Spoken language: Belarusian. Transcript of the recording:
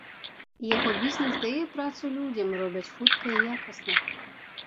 Яго бізнэс дае працу людзям, робяць хутка і якасна.